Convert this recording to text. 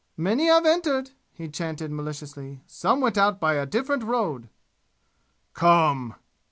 "Many have entered," he chanted maliciously. "Some went out by a different road!" "Come!"